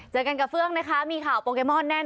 เจอกันกับเฟื่องนะคะมีข่าวโปเกมอนแน่น